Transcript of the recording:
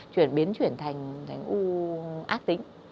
chuyển biến chuyển thành thành u ác tính